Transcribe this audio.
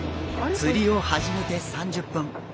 釣りを始めて３０分。